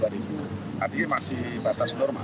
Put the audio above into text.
artinya masih batas normal